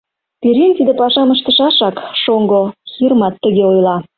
Пӧръеҥ тиде пашам ыштышашак, шоҥго Хирмат тыге ойла.